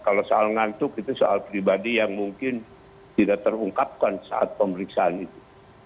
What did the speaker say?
kalau soal ngantuk itu soal pribadi yang mungkin tidak terungkapkan saat pemeriksaan itu